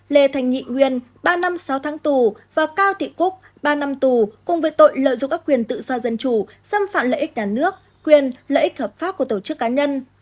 lê thành nghị nguyên ba năm sáu tháng tù và cao thị cúc ba năm tù cùng với tội lợi dụng các quyền tự do dân chủ xâm phạm lợi ích nhà nước quyền lợi ích hợp pháp của tổ chức cá nhân